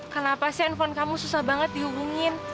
kenapa sih handphone kamu susah banget dihubungin